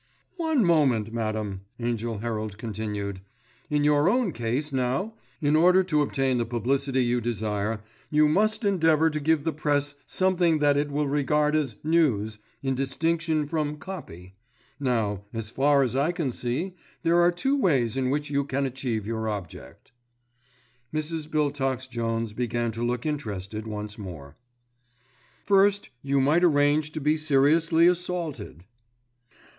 "One moment, madam," Angell Herald continued. "In your own case, now, in order to obtain the publicity you desire, you must endeavour to give the Press something that it will regard as 'news' in distinction from 'copy.' Now, as far as I can see, there are two ways in which you can achieve your object." Mrs. Biltox Jones began to look interested once more. "First you might arrange to be seriously assaulted."